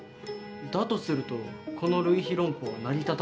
だとするとこの類比論法は成り立たない。